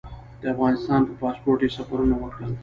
د افغانستان په پاسپورټ یې سفرونه وکړل.